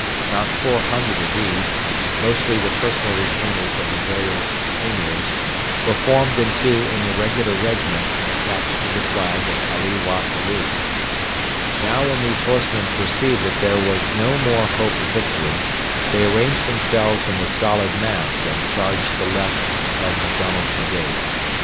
About 400 of these, mostly the personal retainers of the various Emirs, were formed into an irregular regiment and attached to the flag of Ali Wad Helu. Now when these horsemen perceived that there was no more hope of victory, they arranged themselves in a solid mass and charged the left of MacDonald's brigade.